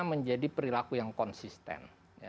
menjadi perilaku yang konsisten